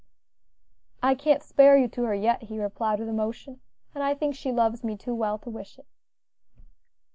"I can't spare you to her yet," he replied with emotion, "and I think she loves me too well to wish it."